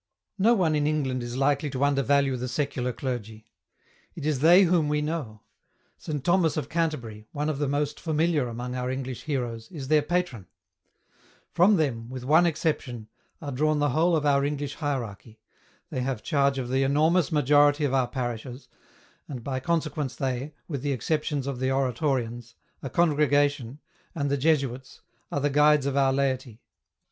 No one in England is likely to undervalue the secular clergy. It is they whom we know. Saint Thomas of Canterbury, one of the most familiar among our English heroes, is their patron ; from them, with one exception, are drawn the whole of our English Hierarchy, they have charge of the enormous majority of our parishes, and by consequence they, with the exceptions of the Oratorians, a Congregation, and the Jesuits, are the guides of our laity.